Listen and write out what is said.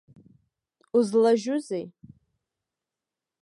Узлажьузеи.